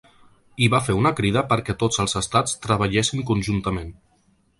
I va fer una crida perquè tots els estats treballessin conjuntament.